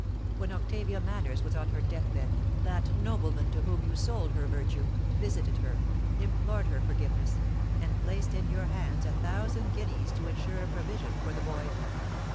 When Octavia Manners was on her death bed, that nobleman to whom you sold her virtue, visited her—implored her forgiveness—and placed in your hands a thousand guineas to ensure a provision for the boy."